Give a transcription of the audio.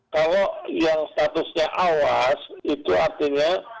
kalau yang statusnya awas itu artinya